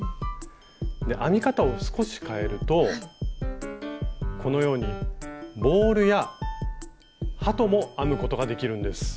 編み方を少し変えるとこのようにボールや鳩も編むことができるんです。